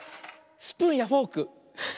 スプーンやフォーク。